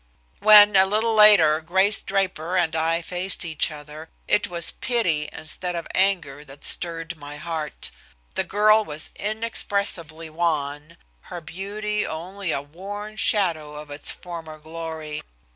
When, a little later, Grace Draper and I faced each other, it was pity instead of anger that stirred my heart. The girl was inexpressibly wan, her beauty only a worn shadow of its former glory.